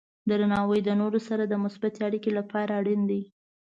درناوی د نورو سره د مثبتې اړیکې لپاره اړین دی.